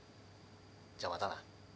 じゃあまたな。